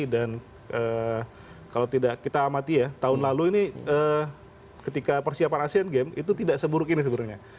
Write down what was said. dan kalau tidak kita amati ya tahun lalu ini ketika persiapan asean game itu tidak seburuk ini sebenarnya